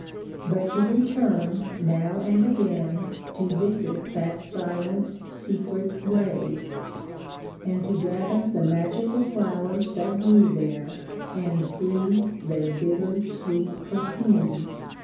But to return, now and again, to visit that silent, secret grave: and to gather the magical flowers that grew there, and breathe their bitter, sweet perfume.